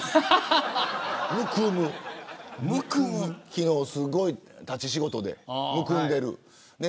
昨日、すごい立ち仕事でむくんでる。